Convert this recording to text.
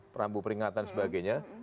perambu peringatan sebagainya